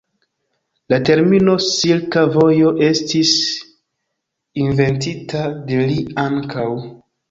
La termino "Silka Vojo" estis inventita de li ankaŭ.